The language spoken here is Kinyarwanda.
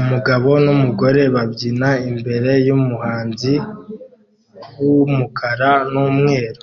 Umugabo numugore babyina imbere yubuhanzi bwumukara numweru